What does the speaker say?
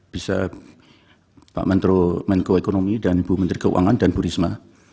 bisa pak menteri menteri keuangan dan bu risma